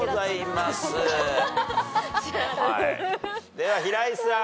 では平井さん。